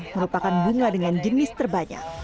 merupakan bunga dengan jenis terbanyak